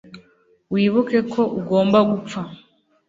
wibuke ko ugomba gupfa